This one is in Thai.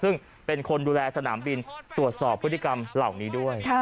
ซึ่งเป็นคนดูแลสนามบินตรวจสอบพฤติกรรมเหล่านี้ด้วย